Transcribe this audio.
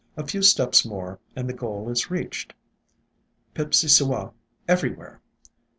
A few steps more, and the goal is reached, — Pip sissewa everywhere!